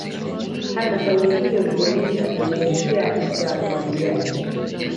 halmashauri hiyo ilionesha teknolojia za umwagiliaji